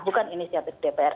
bukan inisiatif dpr